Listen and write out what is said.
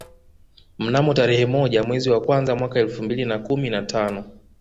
Mnamo tarehe moja mwezi wa kwanza mwaka elfu mbili na kumi na tano